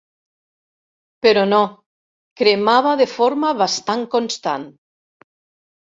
Però no: cremava de forma bastant constant.